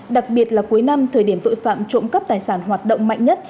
đặc biệt là cuối năm thời điểm tội phạm trộm cắp tài sản hoạt động mạnh nhất